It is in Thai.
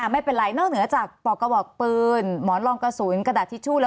ไม่เป็นไรนอกเหนือจากปอกกระบอกปืนหมอนรองกระสุนกระดาษทิชชู่แล้ว